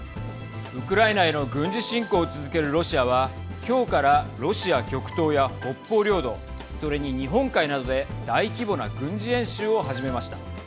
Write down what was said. ウクライナへの軍事侵攻を続けるロシアは今日から、ロシア極東や北方領土それに日本海などで大規模な軍事演習を始めました。